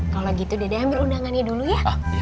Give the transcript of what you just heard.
kalau gitu dede ambil undangannya dulu ya